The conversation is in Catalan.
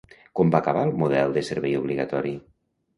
Com va acabar el model de servei obligatori?